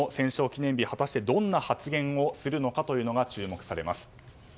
記念日果たしてどんな発言をするのか注目されます。